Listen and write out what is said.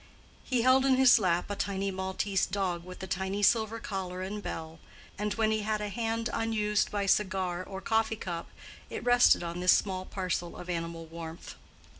He held in his lap a tiny Maltese dog with a tiny silver collar and bell, and when he had a hand unused by cigar or coffee cup, it rested on this small parcel of animal warmth.